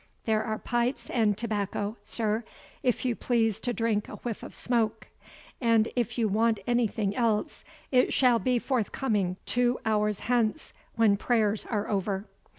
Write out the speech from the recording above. There are pipes and tobacco, sir, if you please to drink a whiff of smoke, and if you want anything else, it shall be forthcoming two hours hence, when prayers are over."